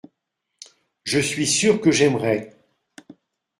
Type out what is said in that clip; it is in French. Je suis sûr que j’aimerai.